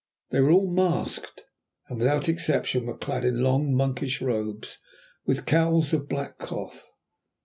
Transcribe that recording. They were all masked, and without exception were clad in long monkish robes with cowls of black cloth.